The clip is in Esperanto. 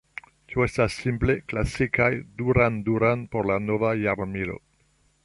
Tio estas simple "klasikaj Duran Duran por la nova jarmilo".